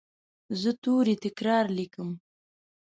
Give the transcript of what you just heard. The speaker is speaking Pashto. زه توري تکرار لیکم.